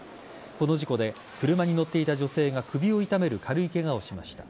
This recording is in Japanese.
この事故で車に乗っていた女性が首を痛める軽いケガをしました。